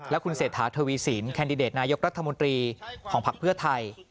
และคุณเศรษฐาทวีสินแคนดิเดตนายกรัฐมนตรีของภักดิ์เพื่อไทย